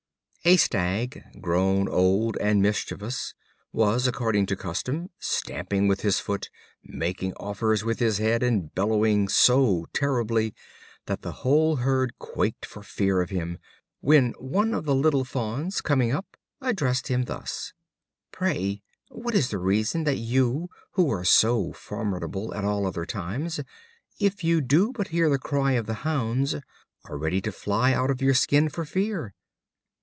A Stag, grown old and mischievous, was, according to custom, stamping with his foot, making offers with his head, and bellowing so terribly that the whole herd quaked for fear of him; when one of the little Fawns, coming up, addressed him thus: "Pray, what is the reason that you, who are so formidable at all other times, if you do but hear the cry of the hounds, are ready to fly out of your skin for fear?"